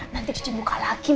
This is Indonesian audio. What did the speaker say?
nanti cuci muka lagi